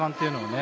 ね。